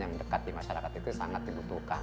yang dekat di masyarakat itu sangat dibutuhkan